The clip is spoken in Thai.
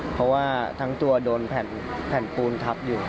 เพราะว่าทั้งตัวโดนแผ่นปูนทับอยู่